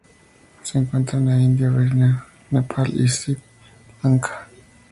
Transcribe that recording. Se encuentra en la India, Birmania, Nepal, y Sri Lanka.